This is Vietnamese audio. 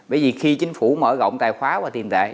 bởi vì khi chính phủ mở rộng tài khoá và tiền tệ